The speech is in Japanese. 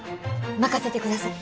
任せてください！